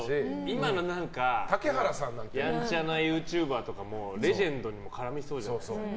今のやんちゃなユーチューバーとかもレジェンドにも絡みそうじゃないですか。